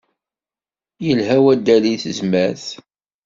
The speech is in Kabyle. Ilha waddal i tezmert.